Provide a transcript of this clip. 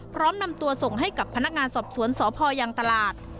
พร้อมนำตัวส่งให้กับพนักงานสอบสวนสพยังตลาด